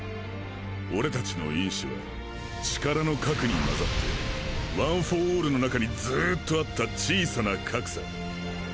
俺たちの因子は力の核に混ざってワン・フォー・オールの中にずうっと在った小さな核さ。